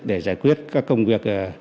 để giải quyết các công việc